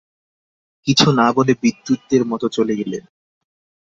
কিছু না বলে বিদ্যুতের মতো চলে গেলেন।